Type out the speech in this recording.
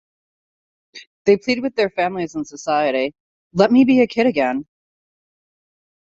They plead with their families and society 'Let Me Be A Kid Again.